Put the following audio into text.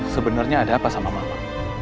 sebenarnya ada apa sama mama